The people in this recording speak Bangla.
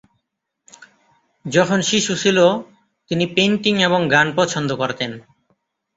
যখন শিশু ছিল, তিনি পেইন্টিং এবং গান পছন্দ করতেন।